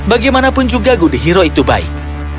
bagaimanapun juga good hero itu baik